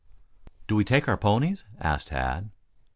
"Do we take our ponies?" asked Tad.